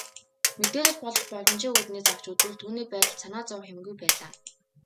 Мэдээлэл олох боломжийн үүднээс авч үзвэл түүний байдалд санаа зовох юмгүй байлаа.